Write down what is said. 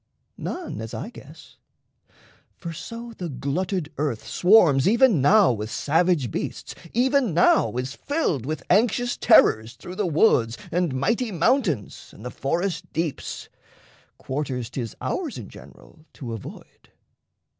None, as I guess. For so the glutted earth Swarms even now with savage beasts, even now Is filled with anxious terrors through the woods And mighty mountains and the forest deeps Quarters 'tis ours in general to avoid.